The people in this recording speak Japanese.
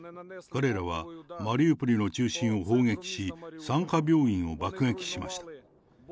彼らはマリウポリの中心を砲撃し、産科病院を爆撃しました。